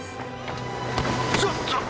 ちょっと！